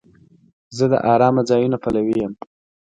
زه د آرامه ځایونو پلوی یم.